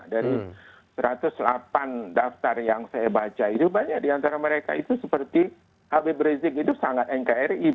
dari satu ratus delapan daftar yang saya baca itu banyak diantara mereka itu seperti habib rizik itu sangat nkri